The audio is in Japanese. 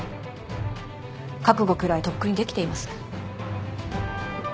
覚悟くらいとっくにできています。